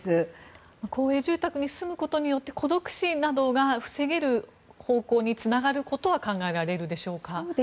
公営住宅に住むことで孤独死などが防げる方向につながることは考えられるでしょうか。